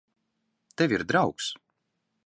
Tev ir draugs.